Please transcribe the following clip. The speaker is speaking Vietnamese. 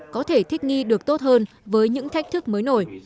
có thể thích nghi được tốt hơn với những thách thức mới nổi